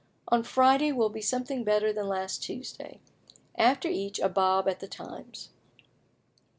On Friday will be something better than last Tuesday. After each a bob at the times."